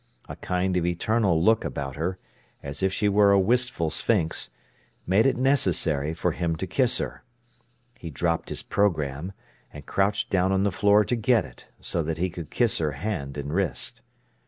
A kind of eternal look about her, as if she were a wistful sphinx, made it necessary for him to kiss her. He dropped his programme, and crouched down on the floor to get it, so that he could kiss her hand and wrist.